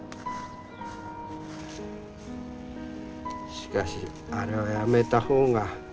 しかしあれはやめた方が。